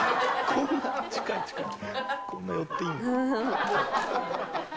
こんな寄っていいの？